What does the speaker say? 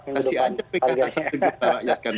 kasih aja pkr satu juta rakyat kan